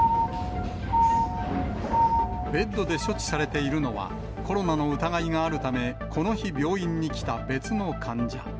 ベッドで処置されているのは、コロナの疑いがあるため、この日病院に来た別の患者。